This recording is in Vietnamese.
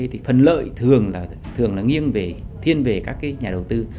thì phần lợi thường là nghiêng thiên về các nhà đầu tư